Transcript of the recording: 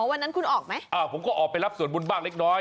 วันนั้นคุณออกไหมอ่าผมก็ออกไปรับส่วนบุญบ้างเล็กน้อย